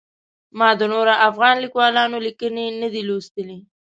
ما د نورو افغان لیکوالانو لیکنې نه دي لوستلي.